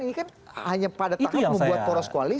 ini kan hanya pada tahap membuat poros koalisi